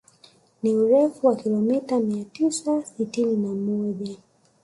Ni urefu wa kilomita mia tisa sitini na moja